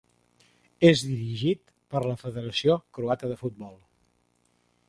És dirigit per la Federació Croata de Futbol.